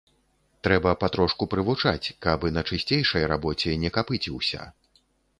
Трэба патрошку прывучаць, каб і на чысцейшай рабоце не капыціўся.